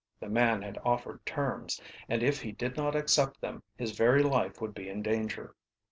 The man had offered terms, and if he did not accept them his very life would be in danger.